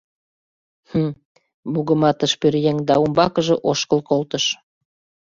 Хм! — мугыматыш пӧръеҥ да умбакыже ошкыл колтыш.